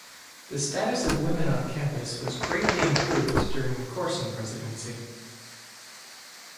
The status of women on campus was greatly improved during the Corson presidency.